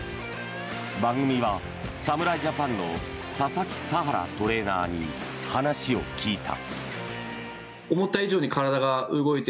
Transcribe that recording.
番組は侍ジャパンの佐々木さはらトレーナーに話を聞いた。